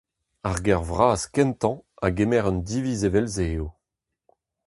Ar gêr vras kentañ a gemer un diviz evel-se eo.